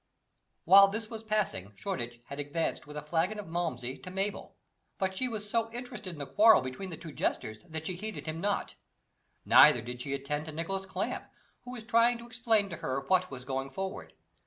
While this was passing Shoreditch had advanced with a flagon of Malmsey to Mabel, but she was so interested in the quarrel between the two jesters that she heeded him not; neither did she attend to Nicholas Clamp, who was trying to explain to her what was going forward.